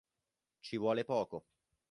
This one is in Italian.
Ci vuole poco...